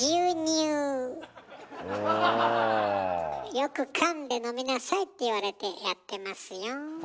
よくかんで飲みなさいって言われてやってますよ。